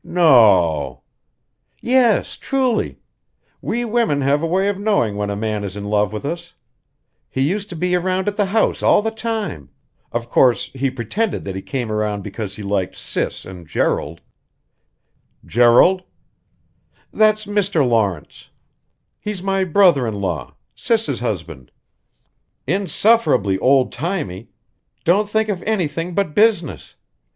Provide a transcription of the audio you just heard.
"No?" "Yes, truly! We women have a way of knowing when a man is in love with us. He used to be around at the house all the time. Of course, he pretended that he came around because he liked Sis and Gerald " "Gerald?" "That's Mr. Lawrence. He's my brother in law Sis's husband. Insufferably old timy. Don't think of anything but business.